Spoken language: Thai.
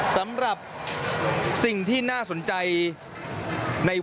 สำหรับสิ่งที่น่าสนใจในวันพรุ่งนี้นะครับ